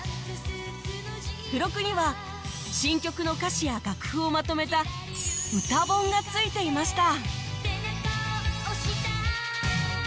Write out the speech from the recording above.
付録には新曲の歌詞や楽譜をまとめた歌本がついてました